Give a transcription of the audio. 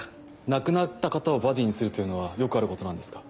亡くなった方をバディにするというのはよくあることなんですか？